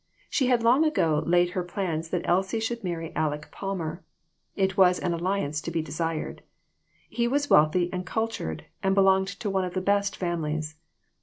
She had long ago laid her plans that Elsie should marry Aleck Palmer. It was an alliance to be desired. He was wealthy and cultured, and belonged to one of the best families.